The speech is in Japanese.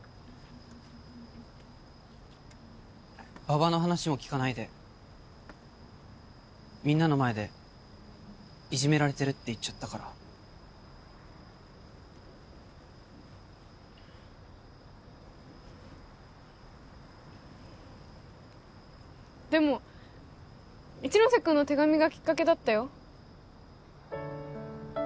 馬場の話も聞かないでみんなの前でいじめられてるって言っちゃったからでも一ノ瀬君の手紙がきっかけだったよ